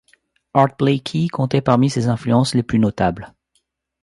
Art Blakey comptait parmi ses influences les plus notables.